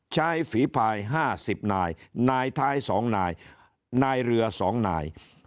ฝีภาย๕๐นายนายท้าย๒นายนายเรือ๒นาย